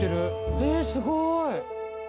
えすごい。